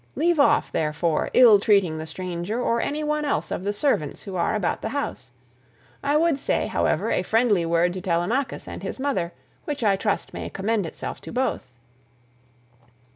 Leave off, therefore, ill treating the stranger, or any one else of the servants who are about the house; I would say, however, a friendly word to Telemachus and his mother, which I trust may commend itself to both.